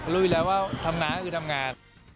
รู้อยู่แล้วว่าทำน้าคือทำงาน